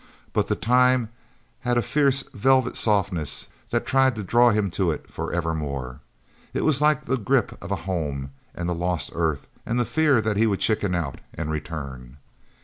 But the time had a fierce velvet softness that tried to draw him to it forevermore. It was like the grip of home, and the lost Earth, and the fear that he would chicken out and return.